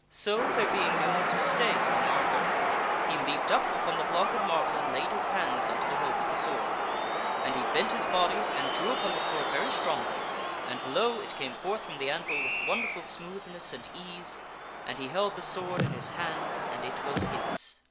So, there being no one to stay young Arthur, from the anvil. ^ i eape d up upon the block of marble and laid his hands unto the hilt of the sword. And he bent his body and drew upon the sword SIX KAY KEEPETH THE MAGIC SWORD I? very strongly, and, lo ! it came forth from the anvil with wonderful smooth ness and ease, and he held the sword in his hand, and it was his.